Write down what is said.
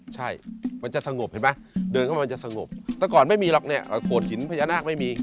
ใช่มันจะสงบเห็นไหมเดินเข้ามามันจะสงบแต่ก่อนไม่มีหรอกเนี่ยโขดหินพญานาคไม่มี